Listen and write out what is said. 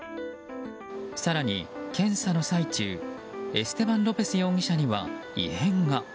更に検査の最中、エステバン・ロペス容疑者には異変が。